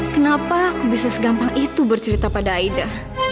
kenapa aku bisa segampang itu bercerita pada aida